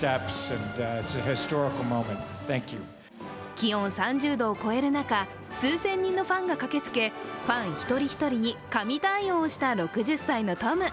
気温３０度を超える中、数千人のファンが駆けつけファン一人一人に神対応した６０歳のトム。